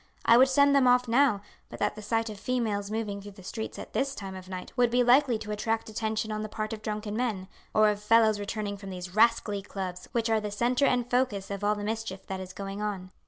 I would send them off now, but that the sight of females moving through the streets at this time of night would be likely to attract attention on the part of drunken men, or of fellows returning from these rascally clubs, which are the centre and focus of all the mischief that is going on.